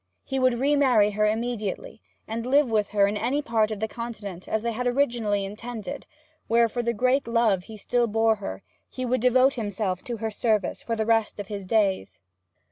He would remarry her immediately, and live with her in any part of the Continent, as they had originally intended, where, for the great love he still bore her, he would devote himself to her service for the rest of his days.